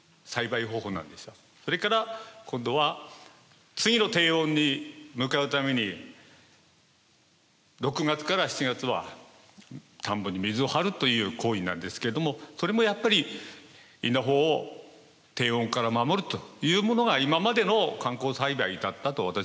それから今度は次の低温に向かうために６月から７月は田んぼに水を張るという行為なんですけれどもそれもやっぱり稲穂を低温から守るというものが今までの慣行栽培だったと私は思っています。